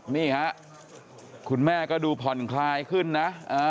นี่ฮะคุณแม่ก็ดูผ่อนคลายขึ้นนะ